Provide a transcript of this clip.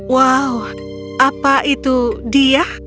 wow apa itu dia